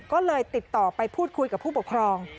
ก็เลยติดต่อไปพูดคุยกับผู้ปกครอง